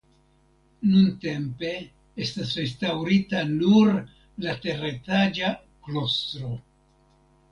Nuntempe estas restaŭrita nur la teretaĝa klostro.